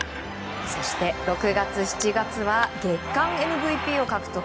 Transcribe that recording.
そして６月、７月は月間ＭＶＰを獲得。